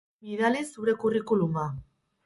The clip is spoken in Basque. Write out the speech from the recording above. Bidali zure curriculum-a.